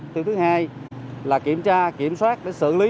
thứ hai là kiểm tra kiểm soát để xử lý